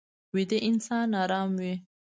ویده انسان ارام وي